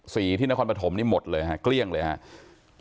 ที่นครปฐมนี่หมดเลยฮะเกลี้ยงเลยครับ